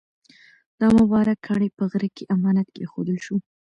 دا مبارک کاڼی په غره کې امانت کېښودل شو.